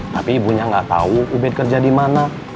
tapi ibunya nggak tahu ubed kerja di mana